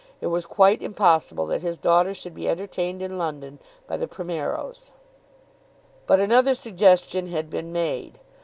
It was quite impossible that his daughter should be entertained in London by the Primeros. But another suggestion had been made.